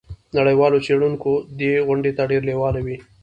نړیوال څیړونکي دې غونډې ته ډیر لیواله وي.